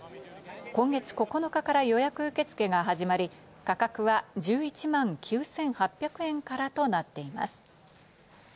今月９日から予約受け付けが始まり、価格は１１万９８００円からとなっています。